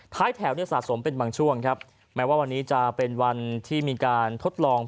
แถวเนี่ยสะสมเป็นบางช่วงครับแม้ว่าวันนี้จะเป็นวันที่มีการทดลอง